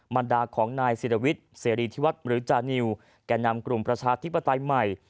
บรรดาของนายศิรวิทย์เสรีที่วัดหรือจานิวแก่นำกลุ่มประชาธิปไตยใหม่